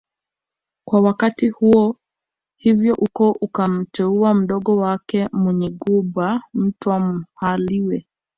Kwa wakati huo hivyo ukoo ukamteua mdogo wake Munyigumba Mtwa Mhalwike